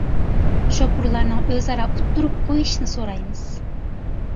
شوپۇرلارنىڭ ئۆزئارا ئۇتتۇرۇپ قويۇشنى سورايمىز.